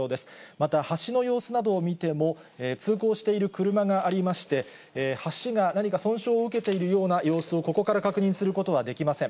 また橋の様子などを見ても、通行している車がありまして、橋が何か損傷を受けているような様子を、ここから確認することはできません。